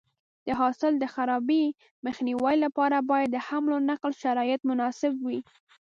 د حاصل د خرابي مخنیوي لپاره باید د حمل او نقل شرایط مناسب وي.